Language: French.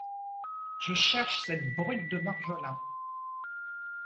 Je cherche cette brute de Marjolin.